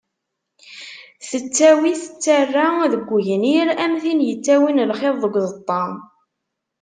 Tettawi tettara deg ugnir am tin yettawin lxiḍ deg uẓeṭṭa.